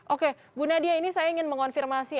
oke bu nadia ini saya ingin mengonfirmasi